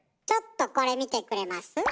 ちょっとこれ見てくれます？